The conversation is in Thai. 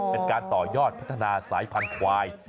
เป็นการต่อยอดพัฒนาสายพันธุ์ควาย